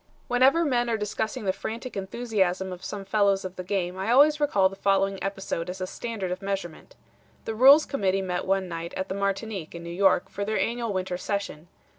"Whenever men are discussing the frantic enthusiasm of some fellows of the game I always recall the following episode as a standard of measurement. The Rules Committee met one night at the Martinique in New York for their annual winter session.